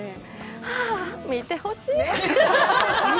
は、見てほしい。